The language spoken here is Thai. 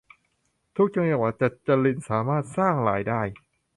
ทุกจังหวัดจะจริญสามารถสร้างรายได้